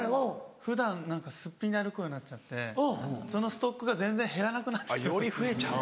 普段すっぴんで歩くようになっちゃってそのストックが全然減らなくなっちゃった。